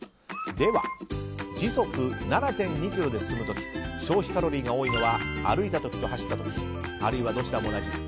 では時速７．２キロで進む時消費カロリーが多いのは歩いた時と走った時あるいはどちらも同じ。